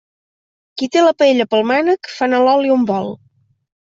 Qui té la paella pel mànec, fa anar l'oli on vol.